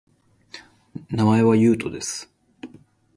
名前は、ゆうとです